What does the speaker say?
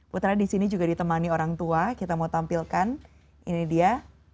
putra di sini juga ditemani orang tua kita mau tampilkan ini dia